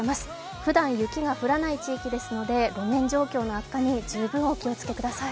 ふだん雪が降らない地域ですので路面状況の悪化に十分ご注意ください。